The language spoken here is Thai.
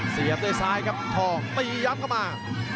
เสียบด้วยซ้ายครับทองตียับเข้ามา